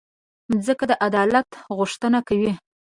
مځکه د عدالت غوښتنه کوي.